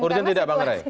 urgen tidak bang rai